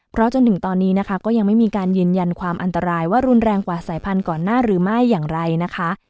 เพราะจนถึงตอนนี้นะคะก็ยังไม่มีการยืนยันความอันตรายว่ารุนแรงกว่าสายพันธุ์ก่อนหน้าหรือไม่อย่างไรนะคะ